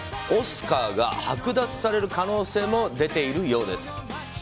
オスカーが剥奪される可能性も出ているようです。